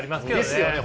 ですよね